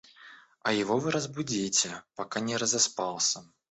А его вы разбудите, пока не разоспался.